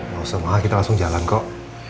gak usah ma kita langsung jalan kok